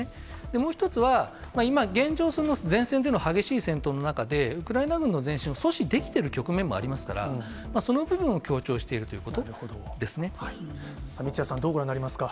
もう１つは、今、現状、その前線での激しい戦闘の中で、ウクライナ軍の前進を阻止できてる局面もありますから、その部分三屋さん、どうご覧になりま